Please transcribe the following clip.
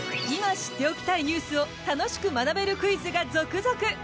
今知っておきたいニュースを楽しく学べるクイズが続々。